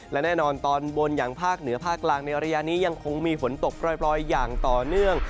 และแน่นอนตอนบนอย่างภาคเหนือภาคกลางในระยะนี้ยังคงมีฝนตกปล่อยอย่างต่อเนื่อง